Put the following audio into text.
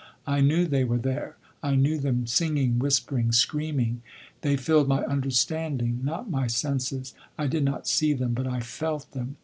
I knew they were there, I knew them singing, whispering, screaming. They filled my understanding not my senses. I did not see them but I felt them.